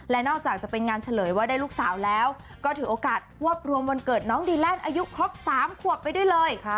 และนอกจากจะเป็นงานเฉลยว่าได้ลูกสาวแล้วก็ถือโอกาสรวบรวมวันเกิดน้องดีแลนด์อายุครบ๓ขวบไปด้วยเลย